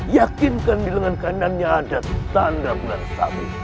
yakinkan di lengan kanannya ada tanda menangis